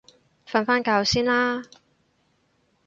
瞓返覺先啦